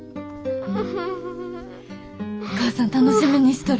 お母さん楽しみにしとる。